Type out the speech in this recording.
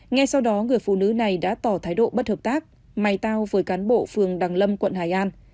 ngay sau đó người phụ nữ này đã tỏ thái độ bất hợp tác mày tao với cán bộ phường đằng lâm quận hải an